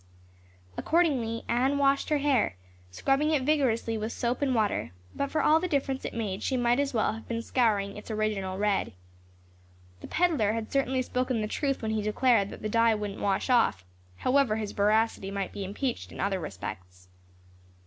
Accordingly, Anne washed her hair, scrubbing it vigorously with soap and water, but for all the difference it made she might as well have been scouring its original red. The peddler had certainly spoken the truth when he declared that the dye wouldn't wash off, however his veracity might be impeached in other respects.